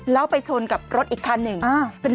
แล้วไปชนกับรถอีกคันหนึ่ง